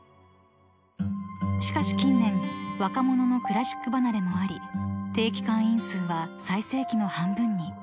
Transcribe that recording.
［しかし近年若者のクラシック離れもあり定期会員数は最盛期の半分に］